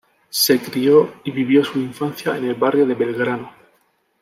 Se crio y vivió su infancia en el barrio de Belgrano.